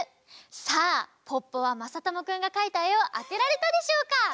さあポッポはまさともくんがかいたえをあてられたでしょうか？